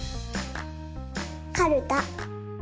かるた。